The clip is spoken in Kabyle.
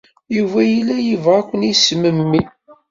Yuba yella yebɣa ad ken-yesmemmi.